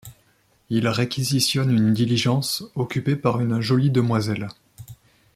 Il réquisitionne une diligence, occupée par une jolie demoiselle.